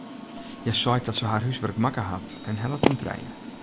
Hja seit dat se har húswurk makke hat en hellet in trije.